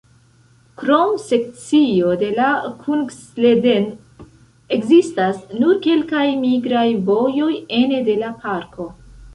Krom sekcio de la Kungsleden ekzistas nur kelkaj migraj vojoj ene de la parko.